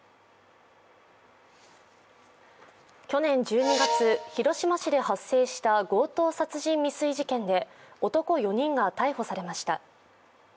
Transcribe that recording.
去年１２月、広島市で発生した強盗殺人未遂事件で男４人が逮捕されました。